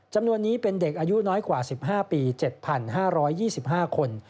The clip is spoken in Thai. จำนวนนี้เป็นเด็กอายุน้อยกว่า๑๕ปี๗๕๒๕คน